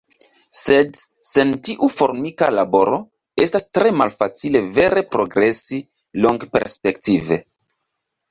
Sed sen tiu formika laboro, estas tre malfacile vere progresi longperspektive.